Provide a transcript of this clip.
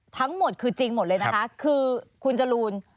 ทั้งหมดคือจริงหมดเลยนะคะคือคุณจรูน